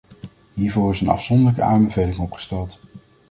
Hiervoor is een afzonderlijke aanbeveling opgesteld.